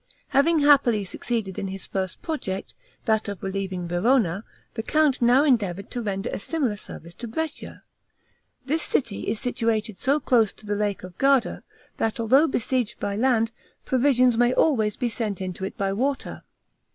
Having happily succeeded in his first project, that of relieving Verona, the count now endeavored to render a similar service to Brescia. This city is situated so close to the Lake of Garda, that although besieged by land, provisions may always be sent into it by water.